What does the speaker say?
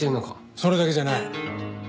それだけじゃない。